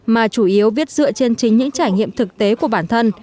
mà chủ yếu viết dựa trên chính những trải nghiệm thực tế của bản thân